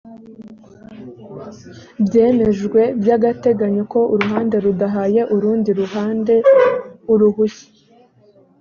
byemejwe by agateganyo ko uruhande rudahaye urundi ruhande uruhushya